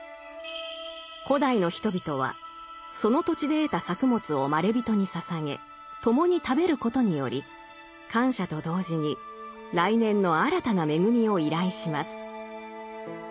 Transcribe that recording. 古代の人々はその土地で得た作物をまれびとに捧げ共に食べることにより感謝と同時に来年の新たな恵みを依頼します。